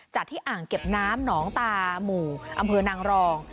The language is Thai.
ที่อ่างเก็บน้ำหนองตาหมู่อำเภอนางรอง